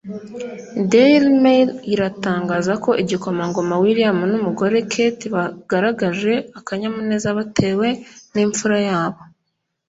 Daily mail iratangaza ko igikomangoma William n’umugore Kate bagaragaje akanyamuneza batewe n’imfura yabo